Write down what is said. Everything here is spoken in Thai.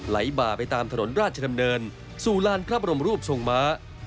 บ่าไปตามถนนราชดำเนินสู่ลานพระบรมรูปทรงม้า